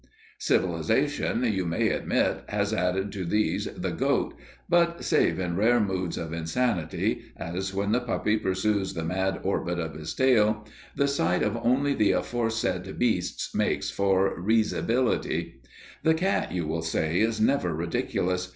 Civilization, you may admit, has added to these the goat but, save in rare moods of insanity, as when the puppy pursues the mad orbit of his tail, the sight of only the aforesaid beasts makes for risibility. The cat, you will say, is never ridiculous.